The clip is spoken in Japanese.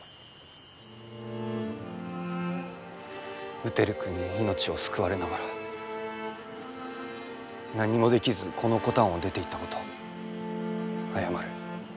ウテルクに命を救われながら何もできずこのコタンを出て行ったこと謝る。